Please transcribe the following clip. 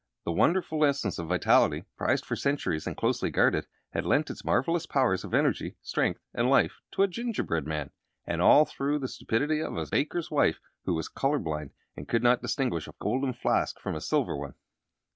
The wonderful Essence of Vitality, prized for centuries and closely guarded, had lent its marvelous powers of energy, strength, and life to a gingerbread man! And all through the stupidity of a baker's wife who was color blind and could not distinguish a golden flask from a silver one!